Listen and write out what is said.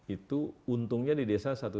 itu untungnya di desa satu